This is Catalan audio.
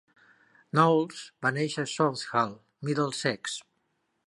Knowles va néixer a Southall, Middlesex.